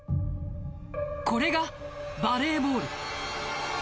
これがバレーボール。